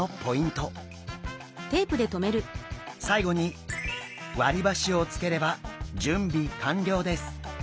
最後に割り箸をつければ準備完了です！